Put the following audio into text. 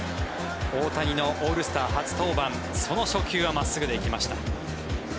大谷のオールスター初登板その初球は真っすぐで行きました。